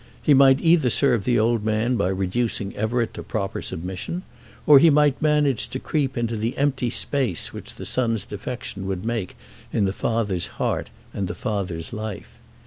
He might either serve the old man by reducing Everett to proper submission, or he might manage to creep into the empty space which the son's defection would make in the father's heart and the father's life.